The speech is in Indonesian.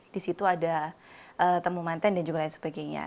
disitu ada temu mantan dan juga lain sebagainya